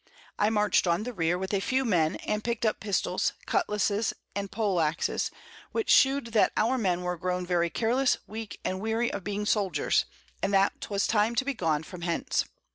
I march'd on the Rear with a few Men, and pick'd up Pistols, Cutlashes and Pole axes, which shew'd that our Men were grown very careless, weak, and weary of being Soldiers, and that 'twas time to be gone from hence.